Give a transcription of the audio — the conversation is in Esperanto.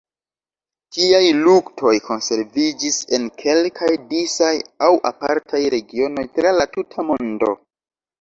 Tiaj luktoj konserviĝis en kelkaj disaj aŭ apartaj regionoj tra la tuta mondo.